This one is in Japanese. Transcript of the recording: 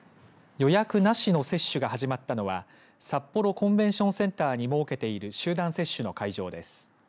予約なしの接種が始まったのは札幌コンベンションセンターに設けている集団接種の会場です。